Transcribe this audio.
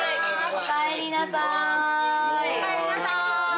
おかえりなさい！